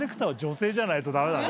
ダメだな。